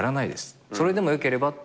それでもよければっていう。